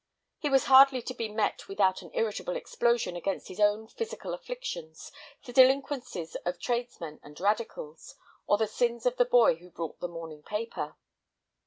He was hardly to be met without an irritable explosion against his own physical afflictions, the delinquencies of tradesmen and Radicals, or the sins of the boy who brought the morning paper.